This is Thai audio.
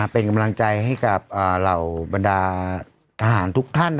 เป็นกำลังใจให้กับเหล่าบรรดาทหารทุกท่าน